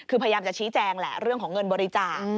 คือพยายามจะชี้แจงแหละเรื่องของเงินบริจาค